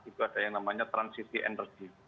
itu ada yang namanya transisi energi